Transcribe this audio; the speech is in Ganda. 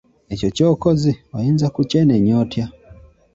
Ekyo ky'okoze oyinza kukyenenya otya?